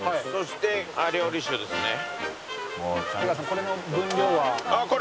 これの分量は。